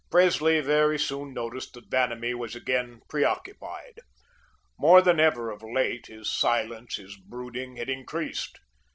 Presley very soon noticed that Vanamee was again preoccupied. More than ever of late, his silence, his brooding had increased.